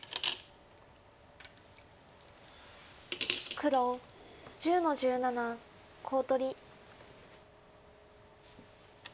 黒１０の十七コウ取り。